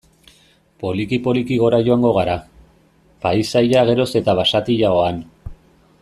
Poliki-poliki gora joango gara, paisaia geroz eta basatiagoan.